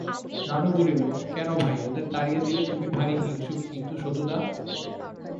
রানু বলিল, কেন ভাই ওদের তাড়িয়ে দিলে-তুমি ভারি হিংসুক কিন্তু সতুদা!